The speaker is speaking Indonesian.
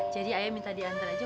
jadi ayah minta diantar aja